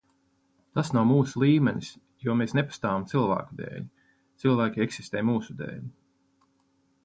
Tas nav mūsu līmenis, jo mēs nepastāvam cilvēku dēļ. Cilvēki eksistē mūsu dēļ.